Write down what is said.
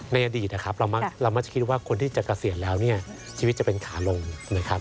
ในอดีตนะครับเรามักจะคิดว่าคนที่จะเกษียณแล้วเนี่ยชีวิตจะเป็นขาลงนะครับ